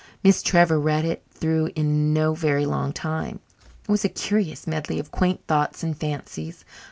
Miss Trevor read it through in no very long time. It was a curious medley of quaint thoughts and fancies.